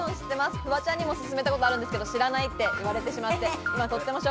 フワちゃんにも教えたんですけど、知らないって言われしまって。